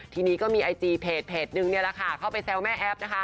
ทีนี้ก็มีไอจีเพจหนึ่งเลยเข้าไปแซวแม่แอฟ